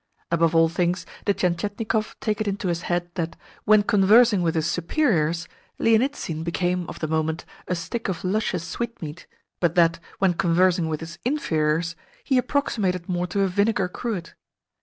Above all things did Tientietnikov take it into his head that, when conversing with his superiors, Lienitsin became, of the moment, a stick of luscious sweetmeat, but that, when conversing with his inferiors, he approximated more to a vinegar cruet.